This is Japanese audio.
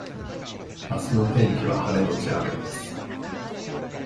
明日の天気は晴れのち雨です